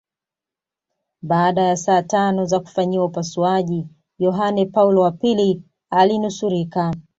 Baada ya saa tano za kufanyiwa upasuaji Yohane Paulo wa pili alinusurika